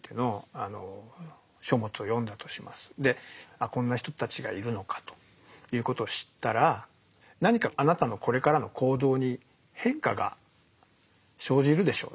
あこんな人たちがいるのかということを知ったら何かあなたのこれからの行動に変化が生じるでしょう。